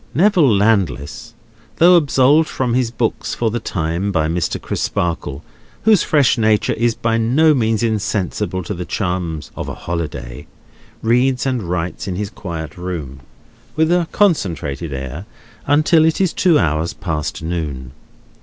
Neville Landless, though absolved from his books for the time by Mr. Crisparkle—whose fresh nature is by no means insensible to the charms of a holiday—reads and writes in his quiet room, with a concentrated air, until it is two hours past noon.